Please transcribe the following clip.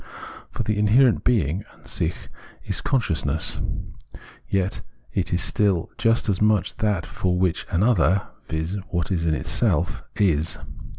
For the inherent being [Ansich) is consciousness ; yet it is still just as much that for which an other (viz. what is " in itself ") is.